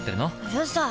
うるさい！